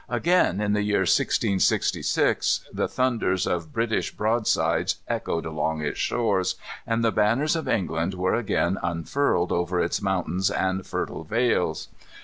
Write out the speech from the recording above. Again, in the year 1666, the thunders of British broadsides echoed along its shores, and the banners of England were again unfurled over its mountains and fertile vales.